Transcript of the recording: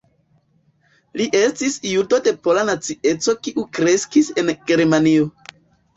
Li estis judo de pola nacieco kiu kreskis en Germanio.